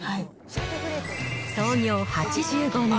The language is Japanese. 創業８５年。